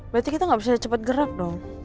berarti kita gak bisa cepet gerak dong